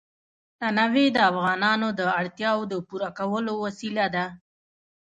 تنوع د افغانانو د اړتیاوو د پوره کولو وسیله ده.